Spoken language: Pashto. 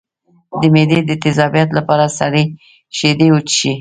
د معدې د تیزابیت لپاره سړې شیدې وڅښئ